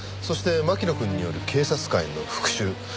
そして槙野くんによる警察官への復讐。